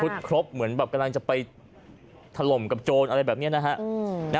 ครบเหมือนแบบกำลังจะไปถล่มกับโจรอะไรแบบนี้นะฮะ